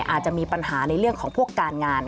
อาจจะมีปัญหาในเรื่องของพวกการงาน